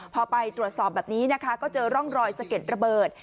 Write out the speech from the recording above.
พอไปตรวจสอบแบบนี้นะคะก็เจอร่องรอยสะเก็ดระเบิด